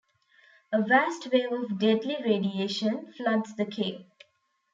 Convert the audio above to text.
A vast wave of deadly radiation floods the cave.